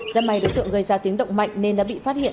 ra máy đối tượng gây ra tiếng động mạnh nên đã bị phát hiện